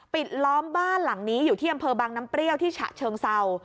ปิดล้อมบ้านหลังนี้อยู่ที่อำเภอบางน้ำเปรี้ยวที่ฉะเชิงเศร้า